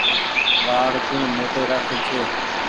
وآڙ ڪوڻ موٽي رآکي ڇي ۔